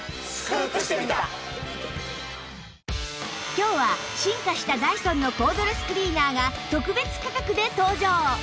今日は進化したダイソンのコードレスクリーナーが特別価格で登場！